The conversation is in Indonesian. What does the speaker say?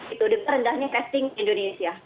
itu rendahnya testing indonesia